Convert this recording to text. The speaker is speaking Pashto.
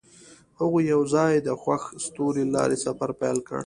هغوی یوځای د خوښ ستوري له لارې سفر پیل کړ.